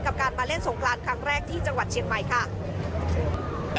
กับการมาเล่นสงกรานครั้งแรกที่จังหวัดเชียงใหม่ค่ะ